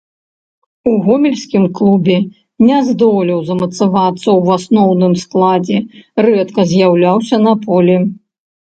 У гомельскім клубе не здолеў замацавацца ў асноўным складзе, рэдка з'яўляўся на полі.